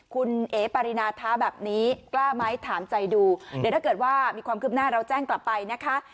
คุณเอ๋ปารินาท้าแบบนี้กล้าไหมถามใจดูเดี๋ยวถ้าเกิดว่ามีความคืบหน้าเราแจ้งกลับไปนะคะ